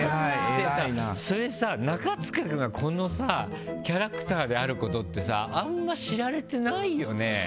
それさ、中務君がこのキャラクターであることってあまり知られてないよね？